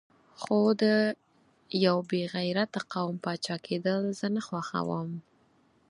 خو د یو بې غیرته قوم پاچا کېدل زه نه خوښوم.